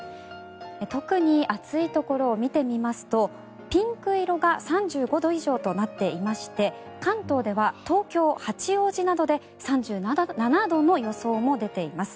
特に暑いところを見てみますとピンク色が３５度以上となっていまして関東では東京・八王子などで３７度の予想も出ています。